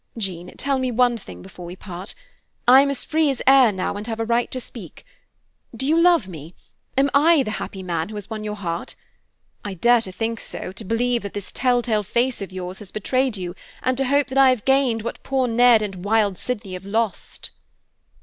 Jean, tell me one thing before we part; I am free as air, now, and have a right to speak. Do you love me? Am I the happy man who has won your heart? I dare to think so, to believe that this telltale face of yours has betrayed you, and to hope that I have gained what poor Ned and wild Sydney have lost."